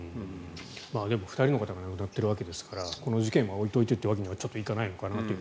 でも、２人の方が亡くなっているわけですからこの事件は置いておいてというわけにはちょっと行かないのかなと。